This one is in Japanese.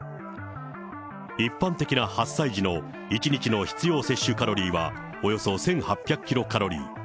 一般的な８歳児の１日の必要摂取カロリーはおよそ１８００キロカロリー。